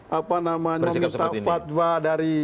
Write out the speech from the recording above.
mencari orang orang yang meminta fatwa dari